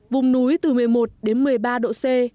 vùng núi từ một mươi một đến một mươi ba độ c